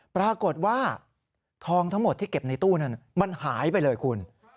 ปรากฏว่าทองทั้งหมดที่เก็บในตู้นั้นมันหายไปเลยคุณ